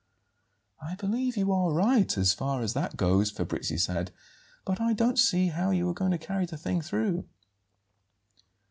"I believe you are right, as far as that goes," Fabrizi said; "but I don't see how you are going to carry the thing through."